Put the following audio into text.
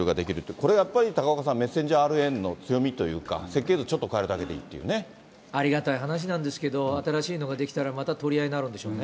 これやっぱり高岡さん、メッセンジャーＲＮの強みというか、設計図ちょっと変えるだけでありがたい話なんですけど、新しいのが出来たらまた取り合いになるんでしょうね。